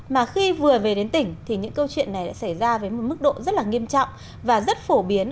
mà khi vừa về đến tỉnh thì những câu chuyện này đã xảy ra với một mức độ rất là nghiêm trọng và rất phổ biến